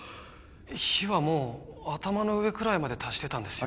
火はもう頭の上くらいまで達してたんですよ